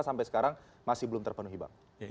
sampai sekarang masih belum terpenuhi bang